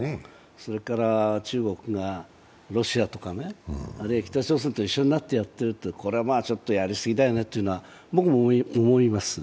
それから中国が、ロシアとかね、あるいは北朝鮮と一緒になってやっているこれはちょっとやりすぎだよねというのは僕も思います。